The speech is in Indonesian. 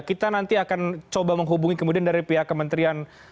kita nanti akan coba menghubungi kemudian dari pihak kementerian